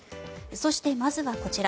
そして、まずはこちら。